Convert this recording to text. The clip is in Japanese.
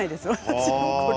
私。